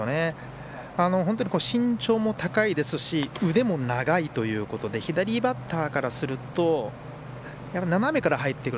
本当に身長も高いですし腕も長いということで左バッターからすると斜めから入ってくる。